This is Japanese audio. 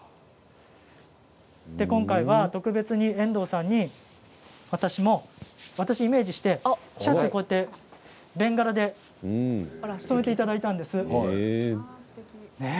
今回は特別に遠藤さんに私をイメージしてシャツをベンガラで染めていただいたんです。